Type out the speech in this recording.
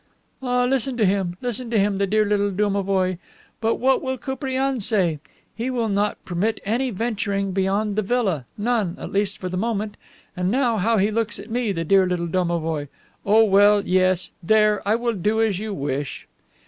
"Ah, listen to him! Listen to him, the dear little domovoi! But what will Koupriane say? He will not permit any venturing beyond the villa; none, at least for the moment. Ah, now, how he looks at me, the dear little domovoi! Oh, well, yes. There, I will do as you wish."